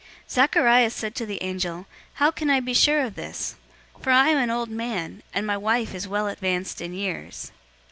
001:018 Zacharias said to the angel, "How can I be sure of this? For I am an old man, and my wife is well advanced in years."